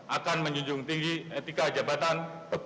akan menjunjung tinggi etika jabatan